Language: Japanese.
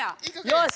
よし！